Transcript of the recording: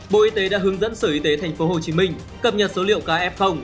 bộ y tế đã hướng dẫn sở y tế tp hcm cập nhật số liệu kf